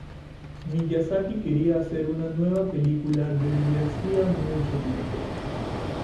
Miyazaki quería hacer una nueva película desde hacía mucho tiempo.